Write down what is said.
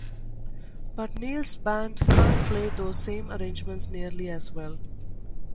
But Neal's band can't play those same arrangements nearly as well.